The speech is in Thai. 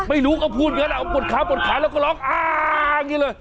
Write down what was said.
ไม่รู้ก็พูดเงินอ่ะปลดค้าแล้วก็ร้องอ่าอย่างนี้เลย